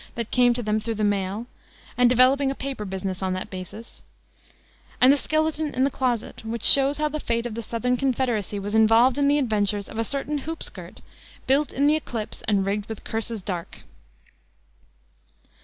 that came to them through the mail, and developing a paper business on that basis; and the Skeleton in the Closet, which shows how the fate of the Southern Confederacy was involved in the adventures of a certain hoop skirt, "built in the eclipse and rigged with curses dark."